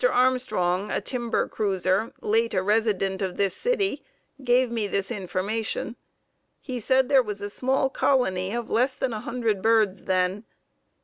Armstrong, a timber cruiser, late a resident of this city, gave me this information. He said there was a small colony of less than a hundred birds then.